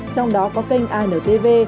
trong đó có kênh antv